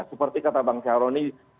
seperti kata bank caroni